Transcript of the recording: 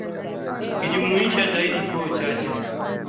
Ikijumuisha zaidi koo chache za Kijita kama vile Wakerewe na Wandali